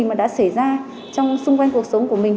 mà đã xảy ra trong xung quanh cuộc sống của mình